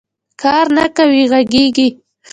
کار نه کوې غږېږې